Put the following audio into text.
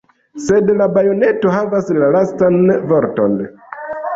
Sed la bajoneto havis la lastan vorton.